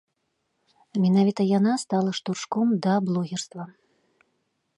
Менавіта яна стала штуршком да блогерства.